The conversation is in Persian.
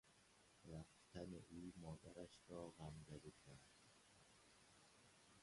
رفتن او مادرش را غمزده کرد.